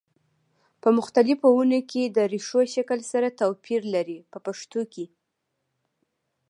په مختلفو ونو کې د ریښو شکل سره توپیر لري په پښتو کې.